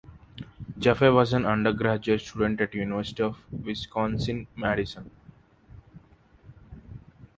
Jaffe was an undergraduate student at the University of Wisconsin–Madison.